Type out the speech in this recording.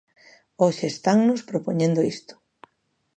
Hoxe estannos propoñendo isto.